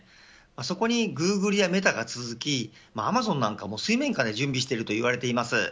そこに、グーグルやメタが続きアマゾンなんかも水面下で準備していると言われています。